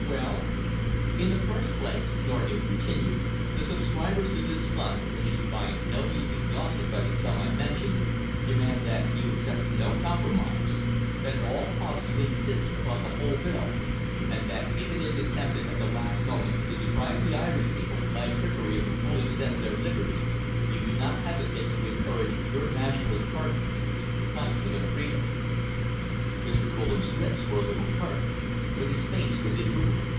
"Well?" "In the first place," Norgate continued, "the subscribers to this fund, which is by no means exhausted by the sum I mention, demand that you accept no compromise, that at all costs you insist upon the whole bill, and that if it is attempted at the last moment to deprive the Irish people by trickery of the full extent of their liberty, you do not hesitate to encourage your Nationalist party to fight for their freedom." Mr. Bullen's lips were a little parted, but his face was immovable.